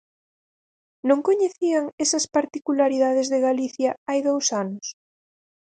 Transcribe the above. ¿Non coñecían esas particularidades de Galicia hai dous anos?